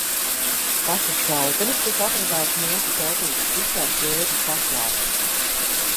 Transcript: Pašas šautenes, kas atradās mūsu teltīs, tika ar ķēdi saslēgtas.